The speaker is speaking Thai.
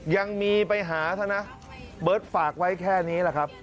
ยังมีไปหาท่านนะเบิร์ตฝากไว้แค่นี้แหละครับ